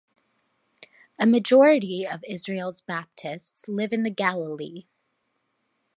A majority of Israel's Baptists live in the Galilee.